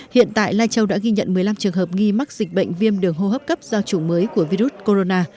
hiện tại lai châu đã ghi nhận một mươi năm trường hợp nghi mắc dịch bệnh viêm đường hô hấp cấp do chủng mới của virus corona